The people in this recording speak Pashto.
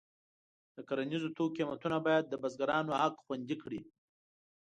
د کرنیزو توکو قیمتونه باید د بزګرانو حق خوندي کړي.